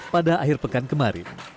pada akhir pekan kemarin